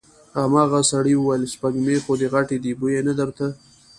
هماغه سړي وويل: سپږمې خو دې غټې دې، بوی يې نه درته؟